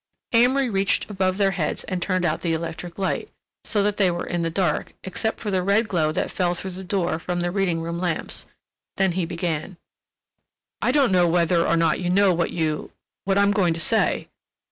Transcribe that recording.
Amory reached above their heads and turned out the electric light, so that they were in the dark, except for the red glow that fell through the door from the reading room lamps. Then he began: "I don't know whether or not you know what you—what I'm going to say.